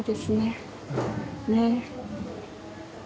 ねえ。